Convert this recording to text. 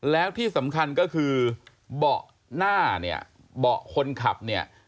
แล้วที่สำคัญก็คือเบาะหน้าเนี่ยเบาะคนขับเนี่ย